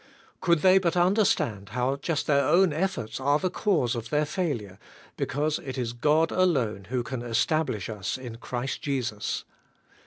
Could they but under stand how just their own efforts are the cause of their failure, because it is God alone who can establish us in Christ Jesus.